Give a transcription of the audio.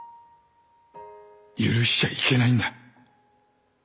許しちゃいけないんだ。